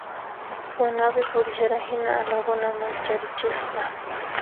Punapi purisharan hina allqukuna mancharichisqa